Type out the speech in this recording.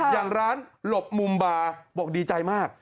อย่างร้านหลบมุมบาบอกดีใจมาก